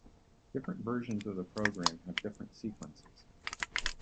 Different versions of the program have different sequences.